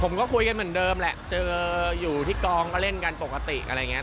ผมก็คุยกันเหมือนเดิมแหละเจออยู่ที่กองก็เล่นกันปกติอะไรอย่างนี้